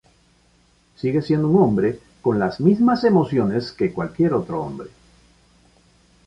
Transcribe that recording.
Sigue siendo un hombre con las mismas emociones que cualquier otro hombre.